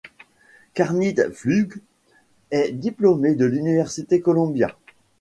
Karnit Flug est diplômée de l'Université Columbia.